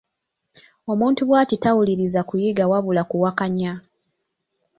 Omuntu bw'ati tawuliriza kuyiga wabula kuwakanya.